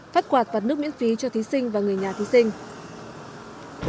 phát quạt và nước miễn phí cho thí sinh và người nhà thí sinh